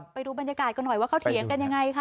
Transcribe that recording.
ไปดูบรรยากาศกันหน่อยว่าเขาเถียงกันยังไงคะ